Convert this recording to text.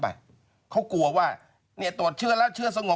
ไปเขากลัวว่าเนี่ยตรวจเชื้อแล้วเชื้อสงบ